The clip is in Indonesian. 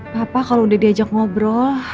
bapak kalau udah diajak ngobrol